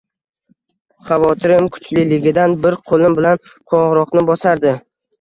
Xavotirim kuchliligidan bir qoʻlim bilan qoʻngʻiroqni bosardi